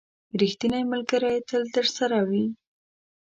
• ریښتینی ملګری تل درسره وي.